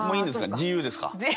自由ですか？